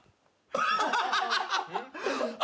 ハハハ！